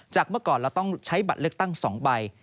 เมื่อก่อนเราต้องใช้บัตรเลือกตั้ง๒ใบ